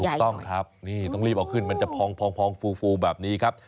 ถูกต้องครับนี่ต้องรีบเอาขึ้นมันจะพองฟูแบบนี้ครับ